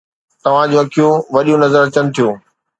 توهان جون اکيون وڏيون نظر اچن ٿيون.